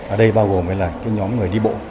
ở đây bao gồm là cái nhóm người đi bộ